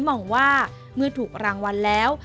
มองว่าเมื่อถูกรางวัลแล้ว